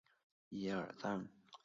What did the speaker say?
他毕业于圣公会诸圣小学。